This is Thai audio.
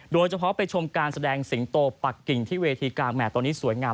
โดยเฉพาะไปชมการแสดงสิงโตปักกิ่งที่เวทีกลางแห่ตอนนี้สวยงาม